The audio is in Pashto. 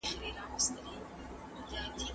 ايا ته د خپل خاوند میراث غواړې؟